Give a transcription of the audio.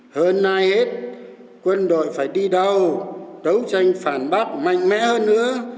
hơn ai hết quân đội phải đi đâu đấu tranh phản bác mạnh mẽ hơn nữa